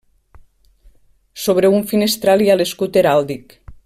Sobre un finestral hi ha l'escut heràldic.